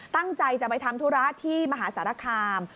ตั้งใจจะไปทำธุระที่มหาสารคาม